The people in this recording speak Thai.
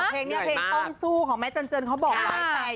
เพลงนี้เพลงต้องสู้ของแม้เจ๋ญเจิญเค้าบอกเลย